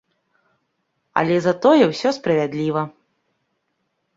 Але затое ўсё справядліва.